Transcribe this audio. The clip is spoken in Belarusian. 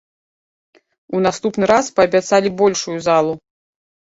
У наступны раз паабяцалі большую залу.